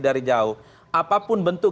dari jauh apapun bentuk